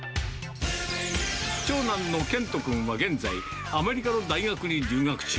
長男の賢斗くんは現在、アメリカの大学に留学中。